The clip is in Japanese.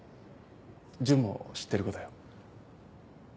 純も知ってる子だよ。